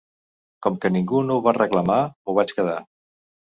Com que ningú no ho va reclamar, m'ho vaig quedar.